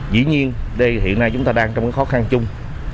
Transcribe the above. dĩ nhiên hiện nay chúng ta đang trong khó khăn chung